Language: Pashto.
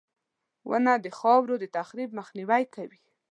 • ونه د خاورو د تخریب مخنیوی کوي.